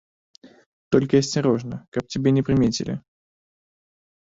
Толькі асцярожна, каб цябе не прымецілі.